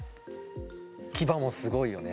キバもすごいよね